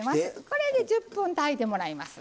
これで１０分炊いてもらいます。